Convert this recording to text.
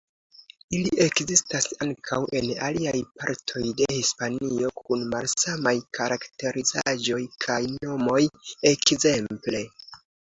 Ili ekzistas ankaŭ en aliaj partoj de Hispanio, kun malsamaj karakterizaĵoj kaj nomoj, ekzemple.